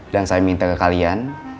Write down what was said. dan saya minta ke kalian